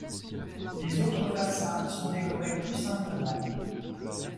Les autres façades sont décorées plus simplement.